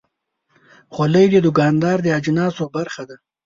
خولۍ د دوکاندار د اجناسو برخه ده.